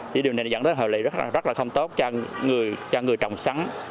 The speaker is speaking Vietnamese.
thì điều này dẫn đến hợp lý rất là không tốt cho người trồng sắn